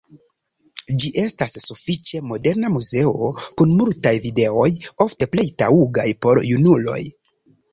Ĝi estas sufiĉe moderna muzeo, kun multaj videoj, ofte plej taŭgaj por junuloj.